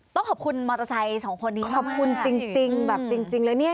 ต้องขอบคุณมอเตอร์ไซค์สองคนนี้ขอบคุณจริงแบบจริงเลยเนี่ย